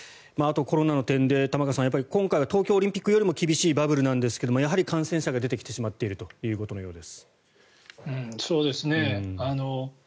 あとはコロナの点で玉川さん、今回は東京オリンピックよりも厳しいバブルなんですがやはり感染者が出てきてしまっているということのようです。